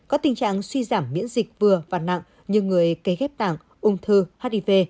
có tình trạng suy giảm miễn dịch vừa và nặng như người cấy ghép tảng ung thư hiv